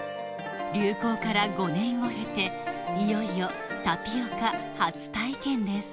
流行から５年を経ていよいよタピオカ初体験です